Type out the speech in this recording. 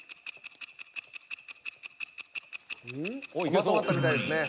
まとまったみたいですね。